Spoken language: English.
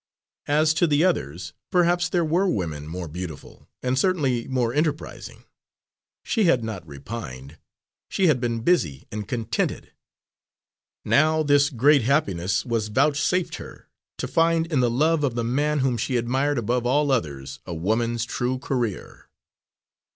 As to the others perhaps there were women more beautiful, and certainly more enterprising. She had not repined; she had been busy and contented. Now this great happiness was vouchsafed her, to find in the love of the man whom she admired above all others a woman's true career.